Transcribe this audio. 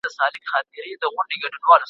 هغه ډېر خوشحاله معلومېږي.